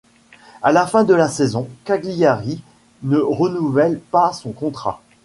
À la fin de la saison, Cagliari ne renouvèle pas son contrat.